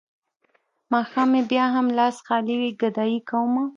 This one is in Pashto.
ماښام مې بيا هم لاس خالي وي ګدايي کومه.